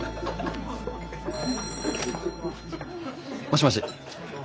☎もしもし。